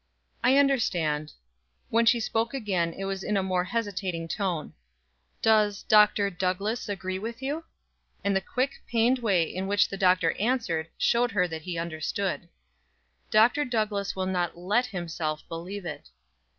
"I understand." When she spoke again it was in a more hesitating tone. "Does Dr. Douglass agree with you?" And the quick, pained way in which the Doctor answered showed her that he understood. "Dr. Douglass will not let himself believe it."